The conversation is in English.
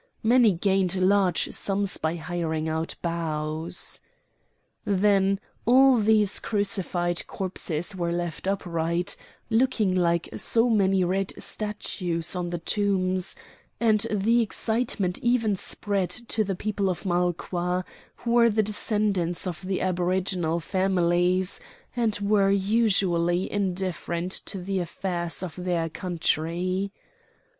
Many gained large sums by hiring out bows. Then all these crucified corpses were left upright, looking like so many red statues on the tombs, and the excitement even spread to the people of Malqua, who were the descendants of the aboriginal families, and were usually indifferent to the affairs of their country.